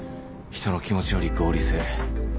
人の気持ちより合理性。